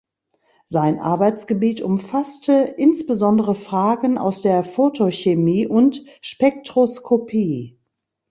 Sein Arbeitsgebiet umfasste insbesondere Fragen aus der Photochemie und Spektroskopie.